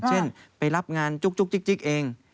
เช่นไปรับงานจุ๊กจิ๊กเอง